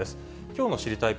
きょうの知りたいッ！